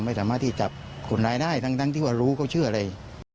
ไม่สามารถที่จับคนร้ายได้ทั้งที่ว่ารู้เขาเชื่ออะไร